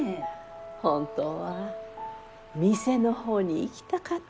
本当は店の方に行きたかったがじゃけんど。